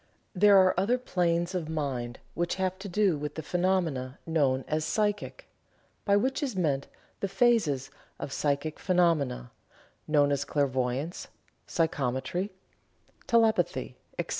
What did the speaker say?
There are other planes of mind which have to do with the phenomena known as "psychic," by which is meant the phases of psychic phenomena known as clairvoyance, psychometry, telepathy, etc.